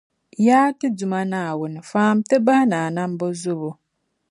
Yaa ti Duuma Naawuni, faami ti bahi ni a nambɔzɔbo.